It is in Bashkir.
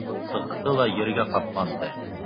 Сыҡты ла ергә ҡапланды.